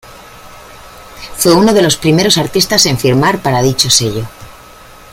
Fue uno de los primeros artistas en firmar para dicho sello.